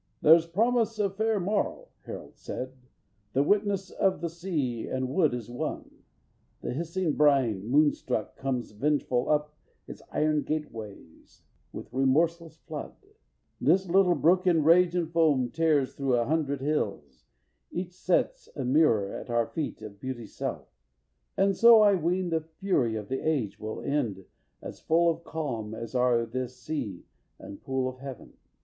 "There's promise of fair morrow," Harold said, "The witness of the sea and wood is one: The hissing brine, moonstruck, comes vengeful up Its iron gateways with remorseless flood This little brook in rage and foam tears through A hundred hills each sets a mirror at Our feet of beauty's self. And so, I ween, The fury of the age will end as full Of calm as are this sea and pool of heaven."